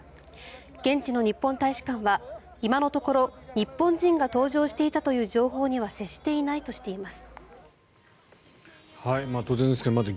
現地の日本大使館は今のところ日本人が搭乗していたという情報には接していないとしています。